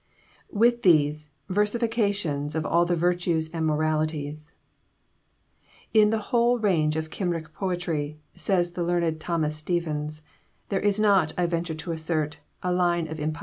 With these, versifications of all the virtues and moralities. 'In the whole range of Kymric poetry,' says the learned Thomas Stephens, 'there is not, I venture to assert, a line of impiety.'